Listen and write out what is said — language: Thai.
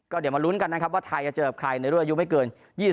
เดี๋ยวมาลุ้นกันนะครับว่าไทยจะเจอกับใครในรุ่นอายุไม่เกิน๒๐